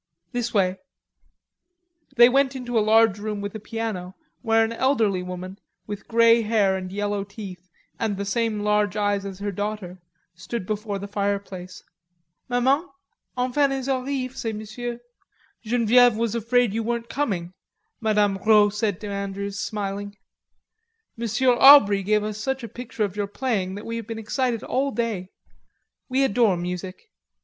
This way." They went into a large room with a piano where an elderly woman, with grey hair and yellow teeth and the same large eyes as her daughter, stood before the fireplace. "Maman... enfin ils arrivent, ces messieurs." "Genevieve was afraid you weren't coming," Mme. Rod said to Andrews, smiling. "Monsieur Aubrey gave us such a picture of your playing that we have been excited all day.... We adore music."